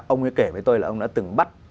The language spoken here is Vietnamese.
ông ấy kể với tôi là ông đã từng bắt